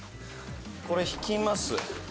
「これ敷きます。